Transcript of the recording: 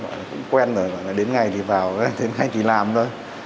mọi người cũng quen rồi đến ngày thì vào đến ngày thì làm thôi